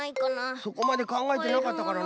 そこまでかんがえてなかったからな。